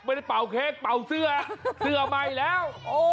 เป่าเค้กเป่าเสื้อเสื้อใหม่แล้ว